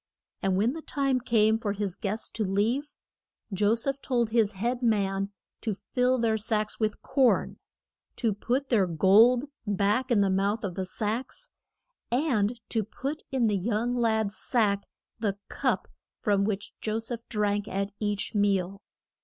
And when the time came for his guests to leave, Jo seph told his head man to fill their sacks with corn, to put their gold back in the mouth of the sacks, and to put in the young lad's sack the cup from which Jo seph drank at each meal.